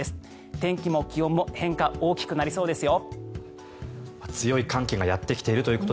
天気も気温も変化、大きくなりそうですよ。